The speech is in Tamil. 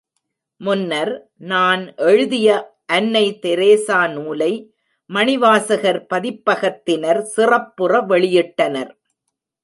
முன்னர், நான் எழுதிய அன்னை தெரேசா நூலை மணிவாசகர் பதிப்பகத்தினர் சிறப்புற வெளியிட்ட்னர்.